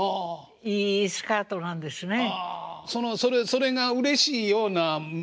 それがうれしいような。